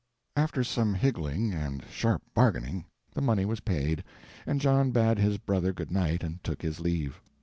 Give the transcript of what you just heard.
After some higgling and sharp bargaining the money was paid, and John bade his brother good night and took his leave.